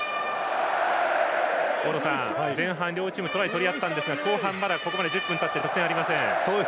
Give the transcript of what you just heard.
大野さん、前半両チームトライを取り合ったんですが後半、まだここまで１０分たって得点がありません。